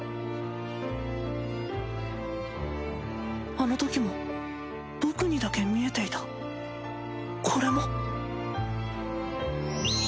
あの時も僕にだけ見えていたコレも？